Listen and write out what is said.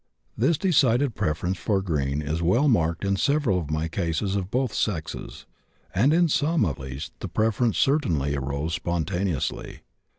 This decided preference for green is well marked in several of my cases of both sexes, and in some at least the preference certainly arose spontaneously.